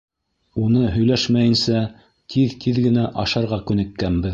Уны һөйләшмәйенсә, тиҙ-тиҙ генә ашарға күнеккәнбеҙ.